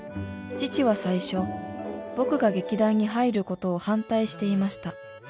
「父は最初僕が劇団に入ることを反対していました」